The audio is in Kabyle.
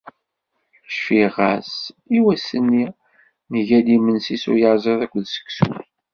Cfiɣ-as i wass-nni, nega-d imensi s uyaziḍ akked seksu.